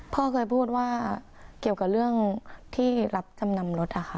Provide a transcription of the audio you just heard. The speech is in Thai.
พ่อเคยพูดว่าเกี่ยวกับเรื่องที่รับจำนำรถค่ะ